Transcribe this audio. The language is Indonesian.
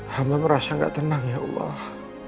hamba merasa tidak tenang ya allah